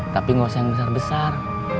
tapi nggak usah yang besar besar